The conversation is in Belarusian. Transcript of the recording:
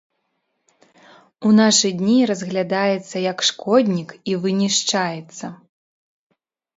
У нашы дні разглядаецца як шкоднік і вынішчаецца.